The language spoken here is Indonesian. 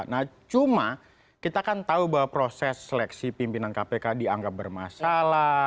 nah cuma kita kan tahu bahwa proses seleksi pimpinan kpk dianggap bermasalah